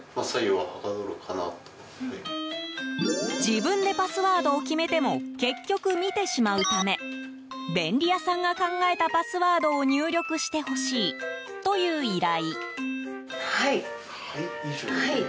自分でパスワードを決めても結局、見てしまうため便利屋さんが考えたパスワードを入力してほしいという依頼。